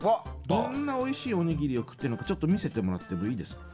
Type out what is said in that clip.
どんなおいしいお握りを食ってるのかちょっと見せてもらってもいいですか？